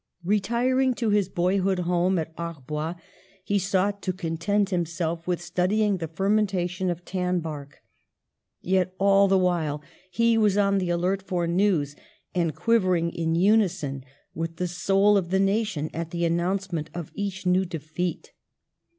Retiring to his boyhood home at Arbois, he sought to content himself with studying the fermentation of tan bark; yet all the while he was on the alert for news and quivering in unison with the soul of the nation at the announcement of each new defeat.